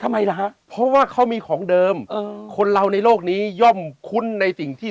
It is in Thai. ทำไมล่ะฮะเพราะว่าเขามีของเดิมเออคนเราในโลกนี้ย่อมคุ้นในสิ่งที่